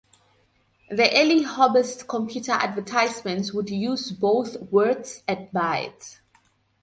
The early hobbyist computer advertisements would use both "words" and "bytes".